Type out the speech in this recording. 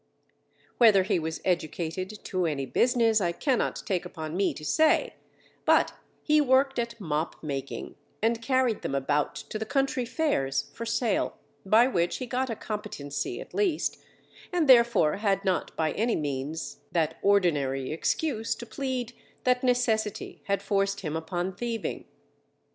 Whether he was educated to any business I cannot take upon me to say, but he worked at mop making and carried them about to the country fairs for sale, by which he got a competency at least, and therefore had not by any means that ordinary excuse to plead that necessity had forced him upon thieving.